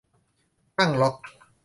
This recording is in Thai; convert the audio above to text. ตั้งล็อก